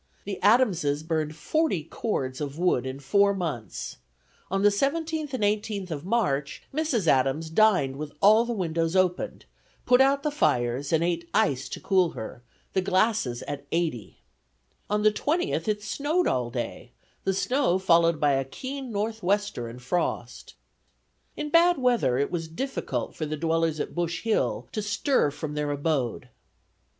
The Adamses burned forty cords of wood in four months. On the 17th and 18th of March, Mrs. Adams dined with all the windows open, put out the fires, and "ate ice to cool her; the glasses at 80." On the 20th, it snowed all day, the snow followed by a keen northwester and frost. In bad weather it was difficult for the dwellers at Bush Hill to stir from their abode.